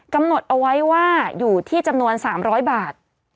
กำหนดเอาไว้ว่าอยู่ที่จำนวน๓๐๐บาท